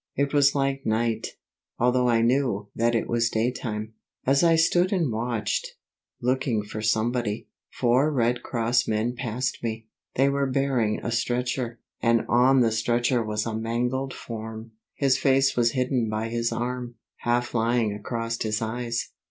It was like night, although I knew that it was daytime. As I stood and watched looking for somebody four Red Cross men passed me. They were bearing a stretcher, and on the stretcher was a mangled form. His face was hidden by his arm, half lying across his eyes.